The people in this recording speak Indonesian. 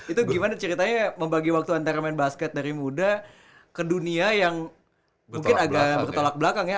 itu gimana ceritanya membagi waktu antara main basket dari muda ke dunia yang mungkin agak bertolak belakang ya